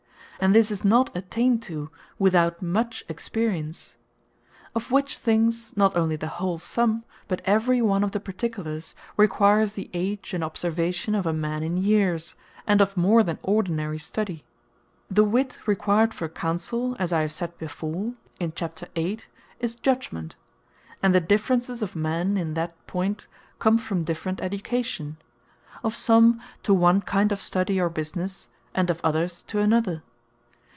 And this is not attained to, without much experience. Of which things, not onely the whole summe, but every one of the particulars requires the age, and observation of a man in years, and of more than ordinary study. The wit required for Counsel, as I have said before is Judgement. And the differences of men in that point come from different education, of some to one kind of study, or businesse, and of others to another.